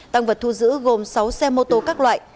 tăng vật thu giữ gồm sáu xe mô tô các loại